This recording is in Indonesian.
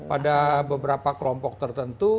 pada beberapa kelompok tertentu